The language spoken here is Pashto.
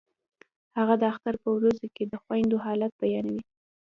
هغه د اختر په ورځو کې د خویندو حالت بیانوي